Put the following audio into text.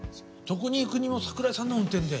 どこに行くにも桜井さんの運転で。